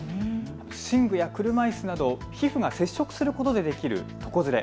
寝具や車いすなど皮膚が接触することでできる床ずれ。